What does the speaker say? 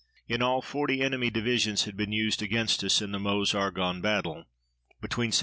In all forty enemy divisions had been used against us in the Meuse Argonne battle. Between Sept.